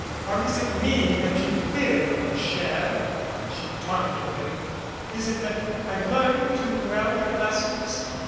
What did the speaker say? "Or is it me that you fear, mon cher?" she taunted him. "Is it that I've learned too well your lessons